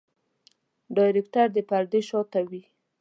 ډايرکټر د پردې شاته وي.